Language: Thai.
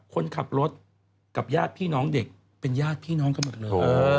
คนขับรถกับญาติพี่น้องเด็กเป็นญาติพี่น้องกันหมดเลย